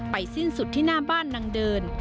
สิ้นสุดที่หน้าบ้านนางเดิน